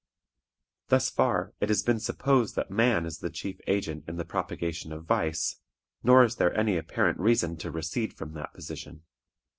Thus far it has been supposed that man is the chief agent in the propagation of vice, nor is there any apparent reason to recede from that position.